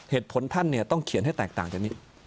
เหตุผลท่านเนี่ยต้องเขียนให้แตกต่างจากนี้